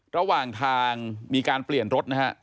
ระหว่างทางมีการเปลี่ยนรถนะฮะ